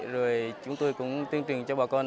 rồi chúng tôi cũng tuyên truyền cho bà con